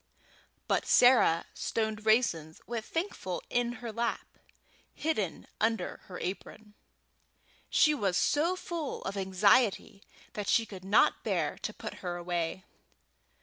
But Sarah stoned raisins with Thankful in her lap, hidden under her apron. She was so full of anxiety that she could not bear to put her away.